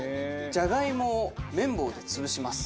じゃがいもを麺棒で潰します。